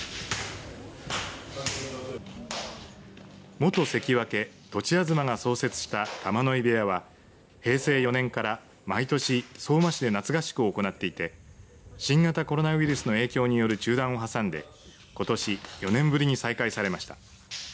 元関脇、栃東が創設した玉ノ井部屋は平成４年から毎年相馬市で夏合宿を行っていて新型コロナウイルスの影響による中断を挟んでことし４年ぶりに再開されました。